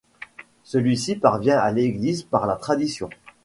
Celui-ci parvient à l'Église par la Tradition.